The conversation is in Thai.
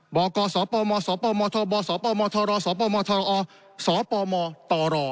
กศปมสปมทบสปมทรสปมทรอสปมตร